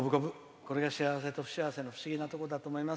これが幸せと不幸せの不思議なところだと思います。